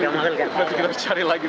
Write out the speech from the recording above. nanti kita cari lagi